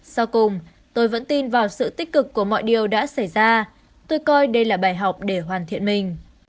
sau cùng tôi vẫn tin vào sự tích cực của mọi điều đã xảy ra tôi coi đây là bài học để hoàn thiện mình